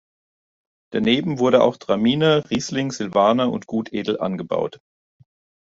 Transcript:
Daneben wurde auch Traminer, Riesling, Silvaner und Gutedel angebaut.